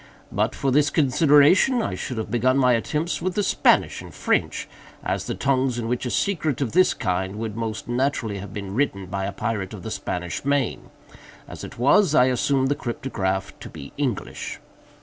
But for this consideration I should have begun my attempts with the Spanish and French, as the tongues in which a secret of this kind would most naturally have been written by a pirate of the Spanish main. As it was, I assumed the cryptograph to be English.